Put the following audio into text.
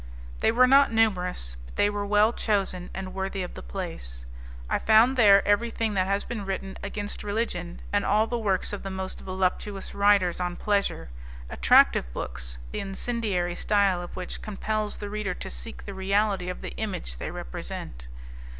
They were not numerous, but they were well chosen and worthy of the place. I found there everything that has been written against religion, and all the works of the most voluptuous writers on pleasure; attractive books, the incendiary style of which compels the reader to seek the reality of the image they represent.